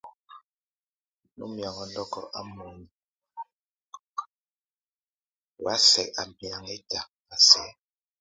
Nú miaŋʼ ɔ́ndɔk á muend ó wa mɛ nɔnɔkɔk, wéy a sɛk á miaŋʼ ɛ́ta, a sɛk.